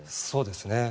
そうですね。